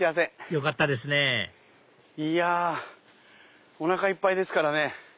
よかったですねいやおなかいっぱいですからね。